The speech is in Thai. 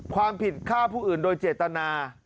ความผิดฆ่าผู้อื่นโดยเจตนา